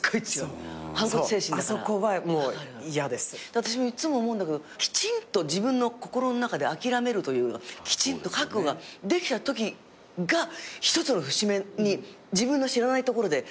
私いっつも思うんだけどきちんと自分の心の中で諦めるというきちんと覚悟ができたときが一つの節目に自分の知らないところでなっているってこともあって。